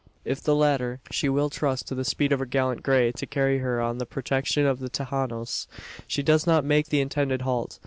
If the latter, she will trust to the speed of her gallant grey to carry her on to the protection of the "Tejanos." She does not make the intended halt.